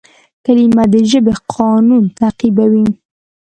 کلیمه د ژبي قانون تعقیبوي.